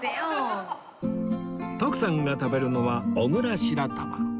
徳さんが食べるのは小倉白玉